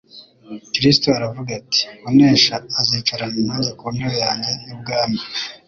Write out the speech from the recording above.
Kristo aravuga ati : «Unesha azicarana nanjye ku ntebe yanjye y'ubwami